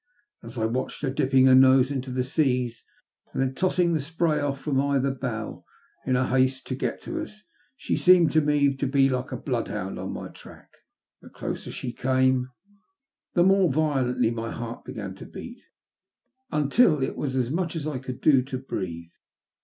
As I watched her dipping her nose into the seas, and then tossing the spray off from either bow, in her haste to get to us, she seemed to me to be like a bloodhound on my track. The closer she came the more violently my heart began to beat, until it was as much as I could do to breathe.